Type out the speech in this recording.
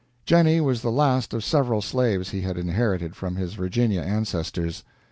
Jennie was the last of several slaves he had inherited from his Virginia ancestors.